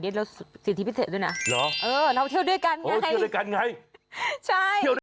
เราก็เศรียดที่พิเศษด้วยนะเพราะเราเที่ยวด้วยกันไงใช่